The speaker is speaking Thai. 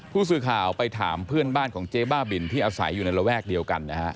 ผู้สื่อข่าวไปถามเพื่อนบ้านของเจ๊บ้าบินที่อาศัยอยู่ในระแวกเดียวกันนะฮะ